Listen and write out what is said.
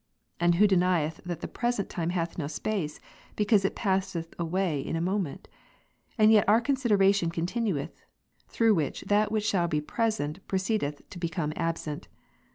And who denieth that the present time hath no space, because it passeth away in a moment? and yet our consideration con tinueth, through which that which shall be present pro ceedeth to become absent.